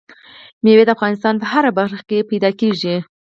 مېوې د افغانستان په هره برخه کې موندل کېږي.